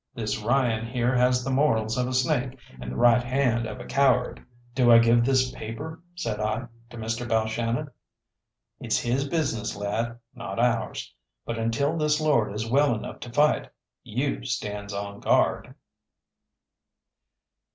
This Ryan here has the morals of a snake and the right hand of a coward." "Do I give this paper," said I, "to Mr. Balshannon?" "It's his business, lad, not ours. But until this lord is well enough to fight, you stands on guard."